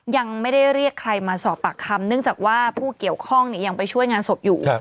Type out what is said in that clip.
ยังไม่ได้เรียกใครมาสอบปากคำเนื่องจากว่าผู้เกี่ยวข้องยังไปช่วยงานศพอยู่